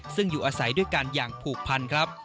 ซึ่งอยู่อาศัยด้วยกันอย่างผูกพันครับ